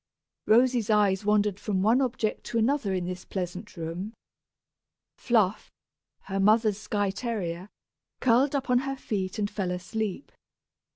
Rosy's eyes wandered from one object to another in this pleasant room. Fluff, her mother's Skye terrier, curled up on her feet and fell asleep.